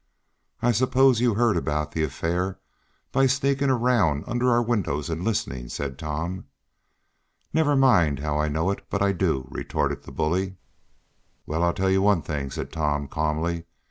"I suppose you heard about the affair by sneaking around under our windows, and listening," said Tom. "Never mind how I know it, but I do," retorted the bully. "Well, I'll tell you one thing," said Tom calmly.